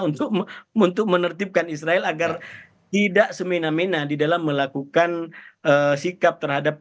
untuk menertibkan israel agar tidak semena mena di dalam melakukan sikap terhadap